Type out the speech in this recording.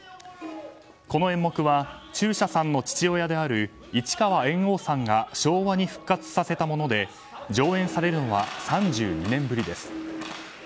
この演目は中車さんの父親である市川猿翁さんが昭和に復活させたもので上演されるのは３２年ぶりです。